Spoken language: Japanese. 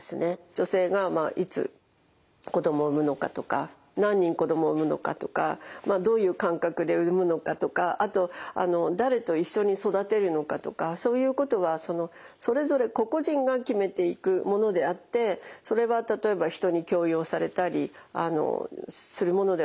女性がいつ子供を産むのかとか何人子供を産むのかとかどういう間隔で産むのかとかあと誰と一緒に育てるのかとかそういうことはそれぞれ個々人が決めていくものであってそれは例えば人に強要されたりするものではない。